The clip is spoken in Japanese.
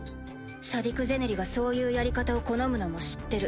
シャディク・ゼネリがそういうやり方を好むのも知ってる。